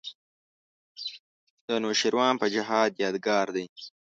د نوشیروان په جهان یادګار دی.